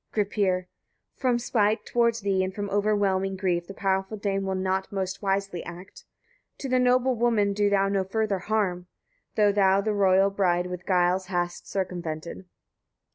Gripir. 49. From spite towards thee, and from o'erwhelming grief, the powerful dame will not most wisely act. To the noble woman do thou no further harm, though thou the royal bride with guiles hast circumvented.